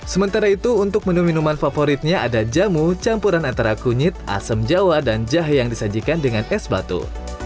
sementara itu untuk menu minuman favoritnya ada jamu campuran antara kunyit asam jawa dan jahe yang disajikan dengan es batu